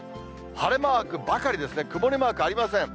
晴れマークばかりですね、曇りマークありません。